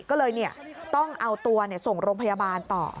ก็เลยต้องเอาตัวส่งโรงพยาบาลต่อ